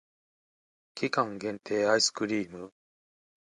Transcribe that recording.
期間限定アイスクリーム